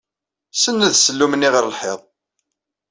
Senned ssellum-nni ɣer lḥiḍ.